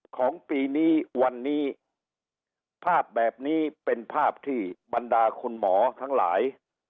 ของปีนี้วันนี้ภาพแบบนี้เป็นภาพที่บรรดาคุณหมอทั้งหลาย